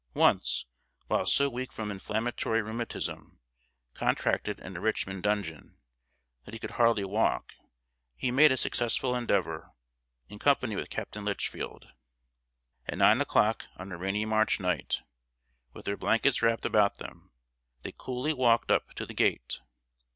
Once, while so weak from inflammatory rheumatism, contracted in a Richmond dungeon, that he could hardly walk, he made a successful endeavor, in company with Captain Litchfield. At nine o'clock, on a rainy March night, with their blankets wrapped about them, they coolly walked up to the gate.